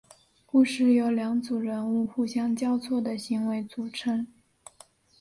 故事由两组人物互相交错的行为组成。